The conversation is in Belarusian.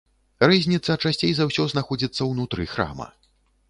Рызніца часцей за ўсё знаходзіцца ўнутры храма.